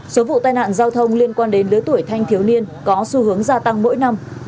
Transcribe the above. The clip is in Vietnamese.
số vụ tai nạn giao thông liên quan đến lứa tuổi thanh thiếu niên có xu hướng gia tăng mỗi năm